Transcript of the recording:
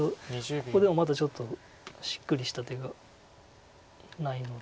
ここでもまだちょっとしっくりした手がないので。